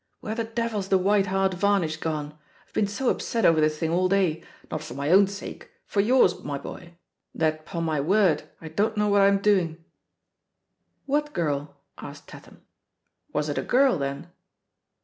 Where the devil's the white hard varnish gone? I've been so upset over this thing all day — ^not for my own sake, for yours, my boy! — ^that, 'pon my word, I don't know what I'm doing." What girl?" asked Tatham. *'Was it a girl, then?'